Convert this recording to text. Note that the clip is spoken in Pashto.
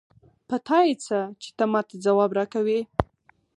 په تا يې څه؛ چې ته ما ته ځواب راکوې.